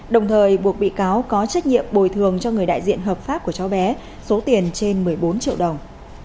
đồng thời buộc bị cáo có trách nhiệm bồi thường cho người đại diện hợp pháp của cháu bé số tiền trên một mươi bốn triệu đồng